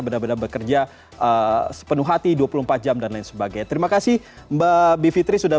benar benar bekerja sepenuh hati dua puluh empat jam dan lain sebagainya terima kasih mbak bivitri sudah